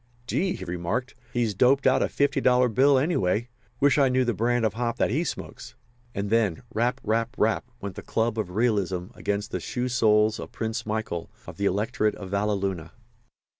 "Gee!" he remarked. "He's doped out a fifty dollar bill, anyway. Wish I knew the brand of hop that he smokes." And then "Rap, rap, rap!" went the club of realism against the shoe soles of Prince Michael, of the Electorate of Valleluna.